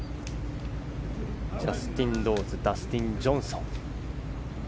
ジャスティン・ローズダスティン・ジョンソン。